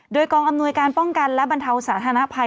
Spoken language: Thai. โดยกองอำนวยการป้องกันและบรรเทาสาธารณภัย